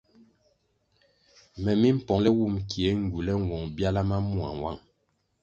Me mi mpongʼle wum kie ngywule nwong byala ma mua nwang.